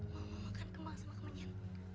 mama mau makan kembang sama kemenyan